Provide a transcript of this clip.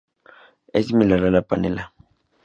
Es similar a la panela.